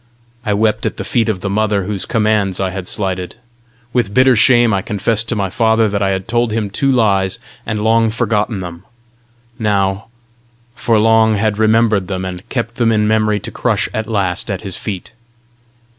I wept at the feet of the mother whose commands I had slighted; with bitter shame I confessed to my father that I had told him two lies, and long forgotten them: now for long had remembered them, and kept them in memory to crush at last at his feet.